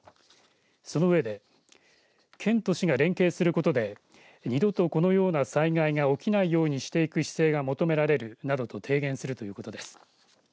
その上で県と市が連携することで二度とこのような災害が起きないようにしていく姿勢が求められるなどと提言するということです。